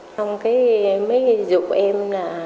rồi mới giúp em